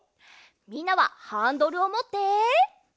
みんなはハンドルをもって。